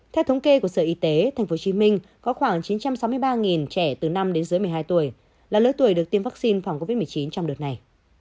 theo thống kê của sở y tế tp hcm có khoảng chín trăm sáu mươi ba trẻ từ năm đến dưới một mươi hai tuổi là lứa tuổi được tiêm vaccine phòng covid một mươi chín trong đợt này